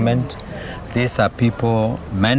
vì vậy họ đã trả giá